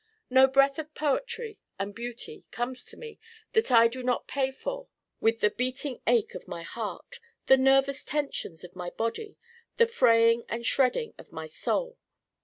No breath of poetry and beauty comes to me that I do not pay for with the beating ache of my Heart, the nervous tensions of my Body, the fraying and shredding of my Soul.